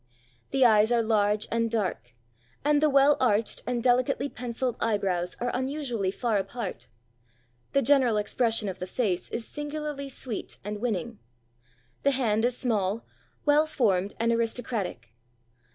The eyes are large and dark, and the well arched and delicately pencilled eyebrows are unusually far apart; the general expression of the face is singularly sweet and winning. The hand is small, well formed and aristocratic.